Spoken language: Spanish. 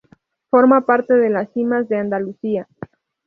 Forma parte de las Cimas de Andalucía.